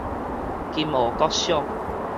金湖國小